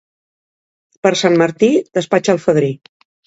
Per Sant Martí, despatxa el fadrí.